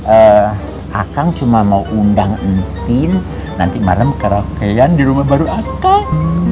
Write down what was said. eh akang cuma mau undang entin nanti malam ke rokeyan di rumah baru akang